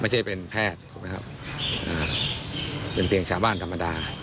ไม่ใช่เป็นแพทย์ถูกไหมครับเป็นเพียงชาวบ้านธรรมดา